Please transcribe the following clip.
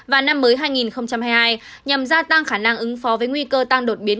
hai nghìn hai mươi một và năm mới hai nghìn hai mươi hai nhằm gia tăng khả năng ứng phó với nguy cơ tăng đột biến